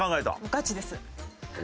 ガチです。